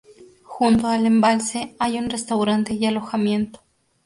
Junto al embalse hay un restaurante y alojamiento.